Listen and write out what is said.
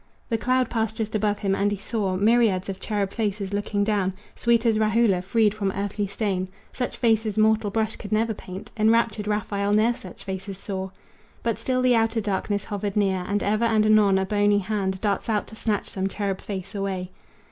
The cloud passed just above him, and he saw Myriads of cherub faces looking down, Sweet as Rahula, freed from earthly stain; Such faces mortal brush could never paint Enraptured Raphael ne'er such faces saw. But still the outer darkness hovered near, And ever and anon a bony hand Darts out to snatch some cherub face away.